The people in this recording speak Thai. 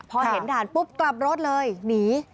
พอเห็นด่านปุ๊บกลับรถเลยหนี